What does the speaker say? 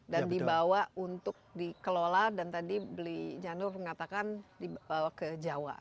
dan dibawa untuk dikelola dan tadi beli jandul mengatakan dibawa ke jawa